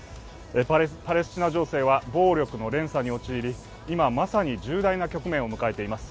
パレスチナ情勢は暴力の連鎖に陥り、今まさに重大な局面を迎えています。